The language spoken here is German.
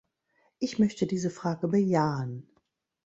Ich möchte diese Frage bejahen.